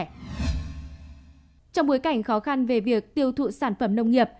trong bối cảnh khó khăn về việc tiêu thụ sản phẩm nông nghiệp